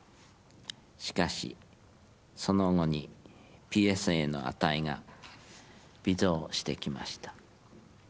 しかし、その後にＰＳＡの値が微増してきました。